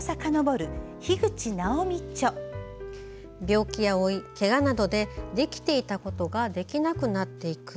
病気や老い、けがなどでできていたことができなくなっていく。